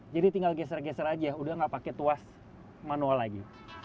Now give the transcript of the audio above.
jadi tinggal geser geser aja sudah nggak pakai tuas manual lagi